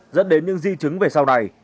dẫn đến những di chứng về sau này